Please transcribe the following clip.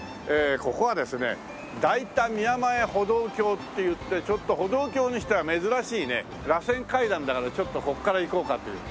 ここはですね代田宮前歩道橋っていってちょっと歩道橋にしては珍しいねらせん階段だからちょっとここから行こうかという。